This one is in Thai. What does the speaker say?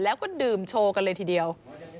แล้วก็ดื่มโชว์กันเลยทีเดียว